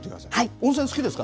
温泉好きですか？